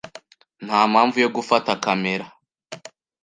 Nta mpamvu yo gufata kamera.